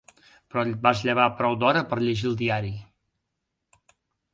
Però et vas llevar prou d'hora per llegir el diari.